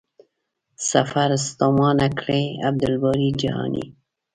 سفر ستومانه کړی.عبدالباري جهاني